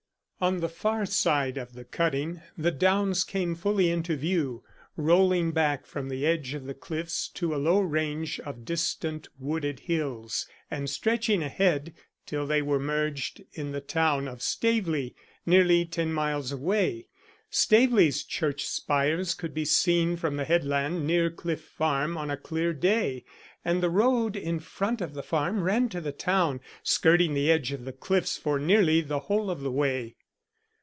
On the far side of the cutting the downs came fully into view, rolling back from the edge of the cliffs to a low range of distant wooded hills, and stretching ahead till they were merged in the town of Staveley, nearly ten miles away. Staveley's churchspires could be seen from the headland near Cliff Farm on a clear day, and the road in front of the farm ran to the town, skirting the edge of the cliffs for nearly the whole of the way.